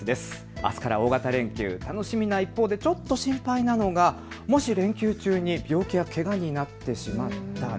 あすから大型連休、楽しみな一方でちょっと心配なのがもし連休中に病気やけがになってしまったら。